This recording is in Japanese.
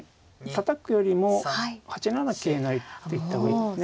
たたくよりも８七桂成って行った方がいいですね。